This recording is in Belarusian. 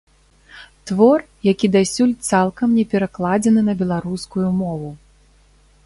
Твор, які дасюль цалкам не перакладзены на беларускую мову.